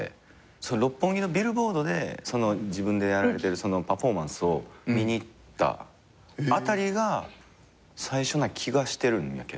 六本木のビルボードで自分でやられてるパフォーマンスを見に行ったあたりが最初な気がしてるんやけど。